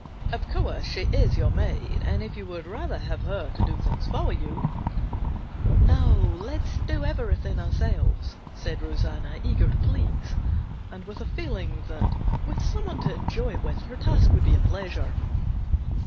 Of course she is your maid, and if you would rather have her to do things for you " "No; let's do everything ourselves," said Rosanna, eager to please, and with a feeling that with someone to enjoy it with her the task would be a pleasure.